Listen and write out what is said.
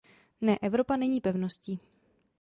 Ne, Evropa není pevností.